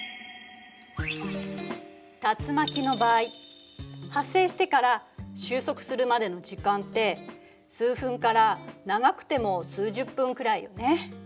竜巻の場合発生してから収束するまでの時間って数分から長くても数十分くらいよね。